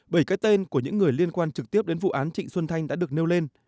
bởi cái tên của những người liên quan trực tiếp đến vụ án trịnh xuân thanh đã được nêu lên